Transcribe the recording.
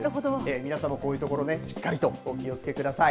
皆さんもこういうところね、しっかりとお気をつけください。